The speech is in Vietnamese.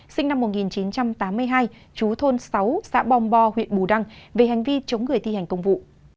sinh năm một nghìn chín trăm tám mươi hai chú thôn sáu xã bong bo huyện bù đăng về hành vi chống người thi hành công vụ